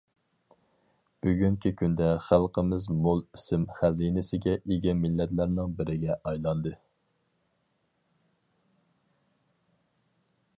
بۈگۈنكى كۈندە خەلقىمىز مول ئىسىم خەزىنىسىگە ئىگە مىللەتلەرنىڭ بىرىگە ئايلاندى.